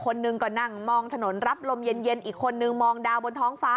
คนหนึ่งก็นั่งมองถนนรับลมเย็นอีกคนนึงมองดาวบนท้องฟ้า